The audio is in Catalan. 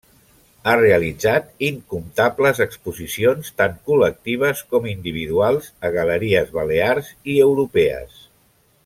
Ha realitzat incomptables exposicions tant col·lectives com individuals, a galeries balears i europees.